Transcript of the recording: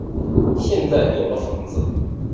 现在有了房子